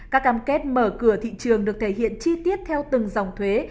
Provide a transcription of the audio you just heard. các cam kết mở cửa thị trường được thể hiện chi tiết theo từng dòng thuế